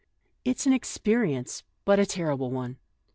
" It's an ex perience — but a terrible one.